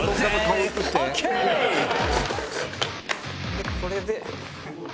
「でこれで」